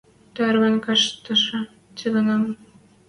Тарвен каштшы целинам